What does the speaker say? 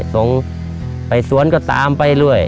ส่งไปสวนก็ตามไปด้วย